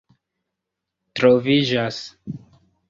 troviĝas